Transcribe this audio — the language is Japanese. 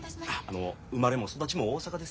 あの生まれも育ちも大阪です